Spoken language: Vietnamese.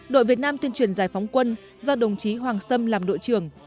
đội việt nam tuyên truyền giải phóng quân do đồng chí hoàng sâm làm đội trưởng